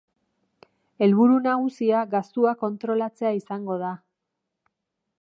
Helburu nagusia gastua kontrolatzea izango da.